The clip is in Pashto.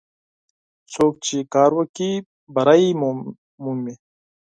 څوک چې کار وکړي، بری مومي.